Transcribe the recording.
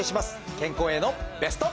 健康へのベスト。